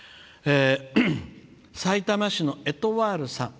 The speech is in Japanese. さいたま市のエトワールさん。